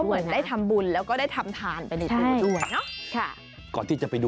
ก็เหมือนได้ทำบุญแล้วก็ได้ทำทานไปในตัวด้วยเนอะใช่